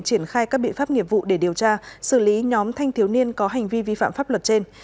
triển khai các biện pháp nghiệp vụ để điều tra xử lý nhóm thanh thiếu niên có hành vi vi phạm pháp luật trên